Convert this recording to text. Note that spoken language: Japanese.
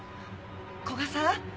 古雅さん？